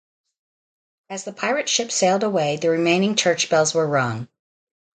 As the pirate ship sailed away, the remaining church bells were rung.